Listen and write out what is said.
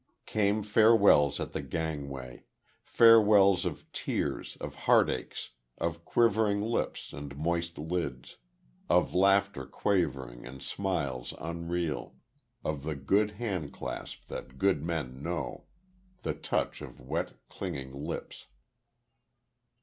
Came farewells at the gangway farewells of tears, of heart aches, of quivering lips and moist lids of laughter quavering and smiles unreal of the good hand clasp that good men know the touch of wet, clinging lips.